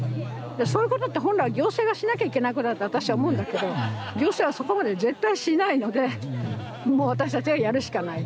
そういうことって本来は行政がしなきゃいけないことだって私は思うんだけど行政はそこまで絶対しないのでもう私たちがやるしかない。